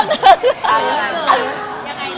เก